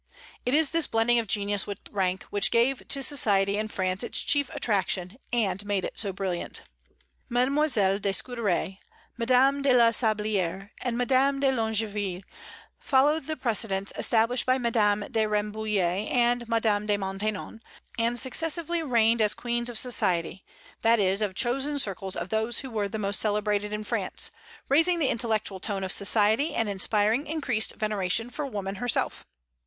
It is this blending of genius with rank which gave to society in France its chief attraction, and made it so brilliant. Mademoiselle de Scudéry, Madame de la Sablière, and Madame de Longueville followed the precedents established by Madame de Rambouillet and Madame de Maintenon, and successively reigned as queens of society, that is, of chosen circles of those who were most celebrated in France, raising the intellectual tone of society, and inspiring increased veneration for woman herself.